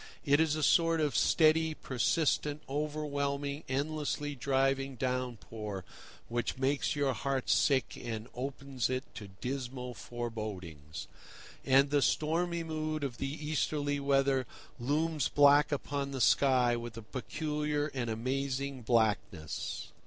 It is a sort of steady, persistent, overwhelming, endlessly driving downpour, which makes your heart sick, and opens it to dismal forebodings. And the stormy mood of the Easterly weather looms black upon the sky with a peculiar and amazing blackness.